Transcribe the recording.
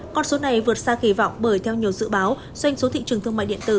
con số này vượt xa kỳ vọng bởi theo nhiều dự báo doanh số thị trường thương mại điện tử